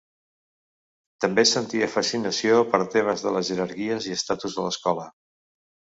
També sentia fascinació per temes de jerarquies i estatus a l'escola.